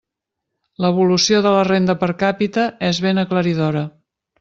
L'evolució de la renda per càpita és ben aclaridora.